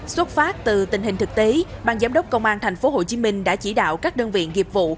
xuất phát từ tình hình thực tế bang giám đốc công an thành phố hồ chí minh đã chỉ đạo các đơn viện nghiệp vụ